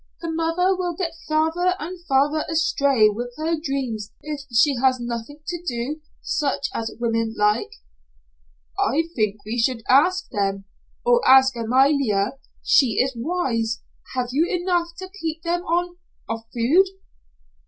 The mother will get farther and farther astray with her dreams if she has nothing to do such as women like." "I think we should ask them or ask Amalia, she is wise. Have you enough to keep them on of food?"